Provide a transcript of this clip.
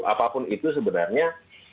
apapun itu sebenarnya